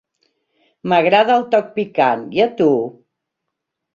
M'agrada el toc picant, i a tu?